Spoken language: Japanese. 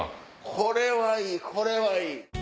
これはいいこれはいい。